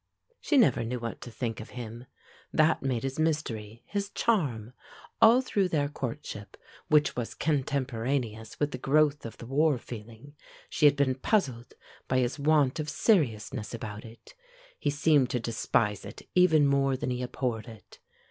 She never knew what to think of him; that made his mystery, his charm. All through their courtship, which was contemporaneous with the growth of the war feeling, she had been puzzled by his want of seriousness about it. He seemed to despise it even more than he abhorred it.